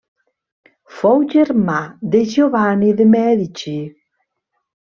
Fou germà de Giovanni de Mèdici.